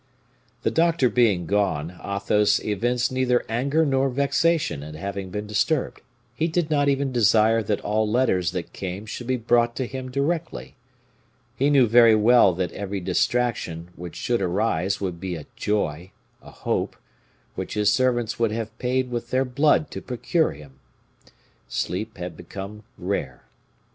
The doctor being gone, Athos evinced neither anger nor vexation at having been disturbed. He did not even desire that all letters that came should be brought to him directly. He knew very well that every distraction which should arise would be a joy, a hope, which his servants would have paid with their blood to procure him. Sleep had become rare.